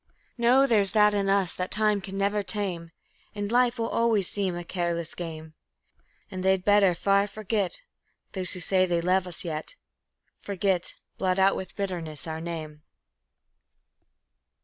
No, there's that in us that time can never tame; And life will always seem a careless game; And they'd better far forget Those who say they love us yet Forget, blot out with bitterness our name.